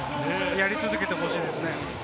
やり続けてほしいですね。